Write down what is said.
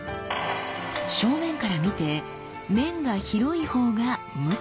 正面から見て面が広いほうがムチ。